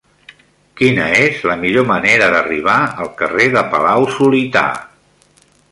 Quina és la millor manera d'arribar al carrer de Palau-solità?